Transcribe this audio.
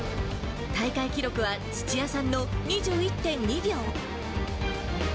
大会記録は土屋さんの２１．２秒。